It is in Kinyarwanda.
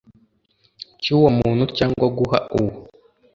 cy uwo muntu cyangwa guha uwo